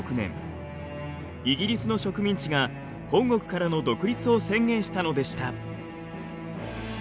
イギリスの植民地が本国からの独立を宣言したのでした。